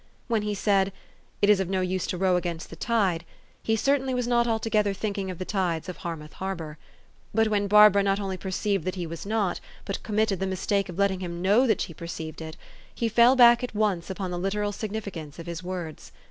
When he said, "It is of no use to row against the tide," he certainly was not altogether thinking of the tides of Harmouth Harbor. But when Barbara not only perceived that he was not, but committed the mistake of letting him know that she perceived it, he fell back at once upon the literal significance of his words.